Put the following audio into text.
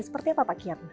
seperti apa pak kiatnya